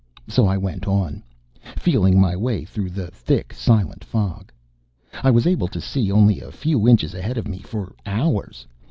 So I went on, feeling my way through the thick silent fog. I was able to see only a few inches ahead of me for hours.